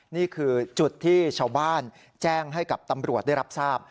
นี่คือจุดที่ชาวบ้านแจ้งให้กับตำรวจได้รับทราบ